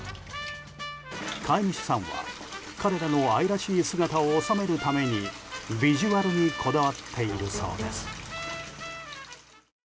飼い主さんは彼らの愛らしい姿を収めるためにビジュアルにこだわっているそうです。